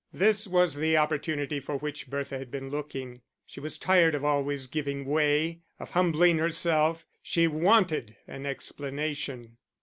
This was the opportunity for which Bertha had been looking. She was tired of always giving way, of humbling herself; she wanted an explanation.